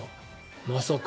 まさか。